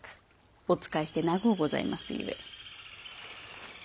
お仕えして長うございますゆえ。